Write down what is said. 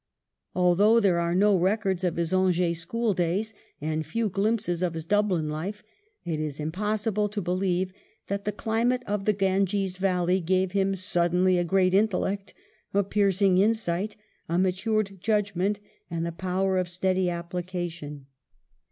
Although there are no records of his Angers school days and few glimpses of his Dublin life, it is impossible to believe that the climate of the Ganges Valley gave him suddenly a great intellect, a piercing insight, a matured judgment, and the power of steady application.